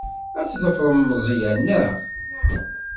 Ad tḍefrem Meẓyan, naɣ?